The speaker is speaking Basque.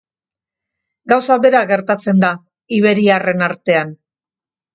Gauza bera gertatzen da iberiarren artean.